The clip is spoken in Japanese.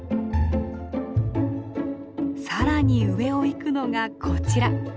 更に上を行くのがこちら。